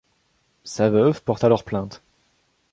Sa veuve porte alors plainte.